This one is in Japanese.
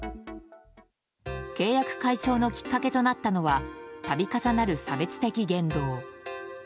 契約解消のきっかけとなったのは度重なる差別的言動。